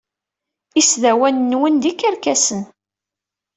Isdawanen-nwen d ikerkasen.